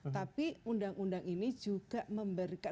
tapi undang undang ini juga memberikan